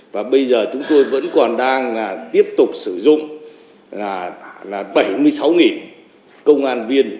và bây giờ chúng tôi vẫn còn đang tiếp tục sử dụng là bảy mươi sáu công an viên